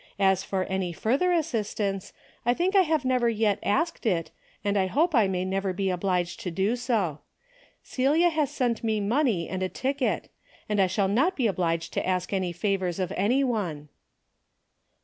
As for any further assistance, I think I have never yet asked it, and I hope I may never be obliged to do so. Celia has sent me money and a ticket, — and I shall not be obliged to ask any favors of any one."